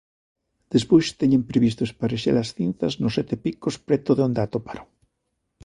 Despois teñen previsto esparexer as cinzas nos Sete Picos preto de onde a atoparon.